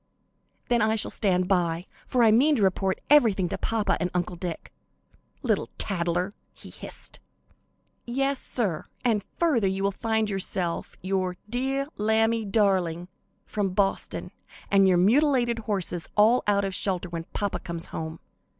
"Then I shall stand by, for I mean to report everything to papa and Uncle Dick." "Little tattler!" he hissed. "Yes, sir, and further you will find yourself, your 'deah lambie darling' from Boston, and your mutilated horses all out of shelter when papa comes home.